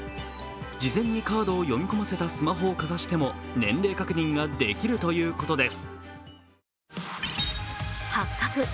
事前にカードを読み込ませたスマホをかざしても年齢確認ができるということです。